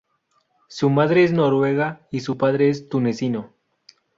Su madre es noruega y su padre es tunecino.